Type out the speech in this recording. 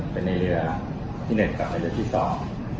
เป็นในเรือที่หนึ่งกับเรือที่สอง